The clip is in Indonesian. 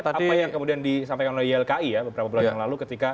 apa yang kemudian disampaikan oleh ylki ya beberapa bulan yang lalu ketika